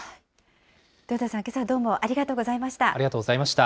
豊田さん、けさはどうもありがとうございました。